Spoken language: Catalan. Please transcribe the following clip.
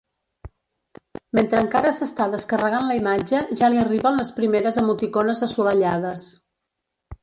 Mentre encara s'està descarregant la imatge ja li arriben les primeres emoticones assolellades.